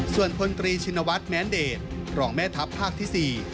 ส่วนพลตรีชินวัฒน์แม้นเดชรองแม่ทัพภาคที่๔